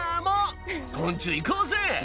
昆虫いこうぜ！